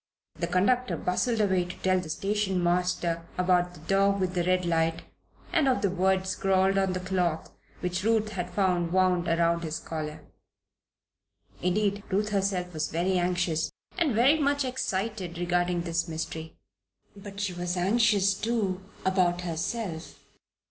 The conductor bustled away to tell the station master about the dog with the red light, and of the word scrawled on the cloth which Ruth had found wound around his collar. Indeed, Ruth herself was very anxious and very much excited regarding this mystery; but she was anxious, too, about herself.